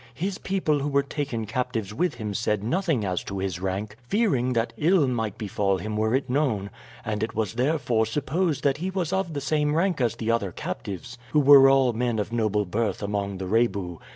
His people who were taken captives with him said nothing as to his rank, fearing that ill might befall him were it known, and it was therefore supposed that he was of the same rank as the other captives, who were all men of noble birth among the Rebu.